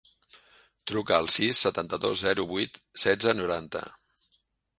Truca al sis, setanta-dos, zero, vuit, setze, noranta.